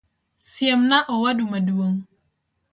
Siem na owadu maduong'